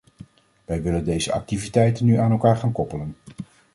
Wij willen deze activiteiten nu aan elkaar gaan koppelen.